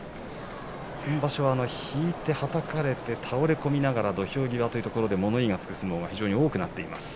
今場所は引いて、はたかれて倒れ込みながら土俵際というところで物言いがつくことが多くなっています。